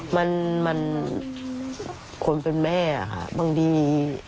มันคนเป็นแม่ค่ะบางที